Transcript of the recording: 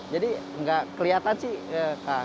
jadi nggak kelihatan sih